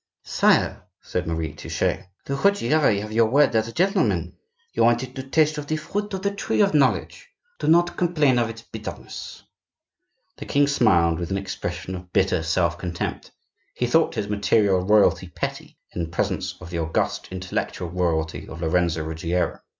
"Sire," said Marie Touchet, "the Ruggieri have your word as a gentleman. You wanted to taste of the fruit of the tree of knowledge; do not complain of its bitterness." The king smiled, with an expression of bitter self contempt; he thought his material royalty petty in presence of the august intellectual royalty of Lorenzo Ruggiero.